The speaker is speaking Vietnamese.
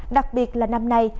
đặc biệt là năm nay